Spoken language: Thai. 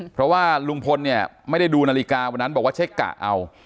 เพราะว่าลุงพลเนี่ยไม่ได้ดูนาฬิกาวันนั้นบอกว่าเช็คกะเอา